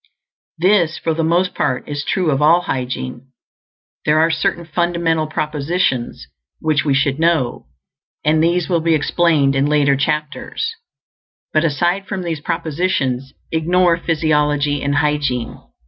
This, for the most part, is true of all hygiene. There are certain fundamental propositions which we should know; and these will be explained in later chapters, but aside from these propositions, ignore physiology and hygiene.